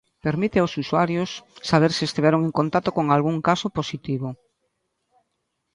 Permite aos usuarios saber se estiveron en contacto con algún caso positivo.